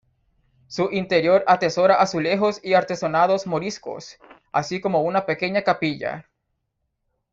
Su interior atesora azulejos y artesonados moriscos, así como una pequeña capilla.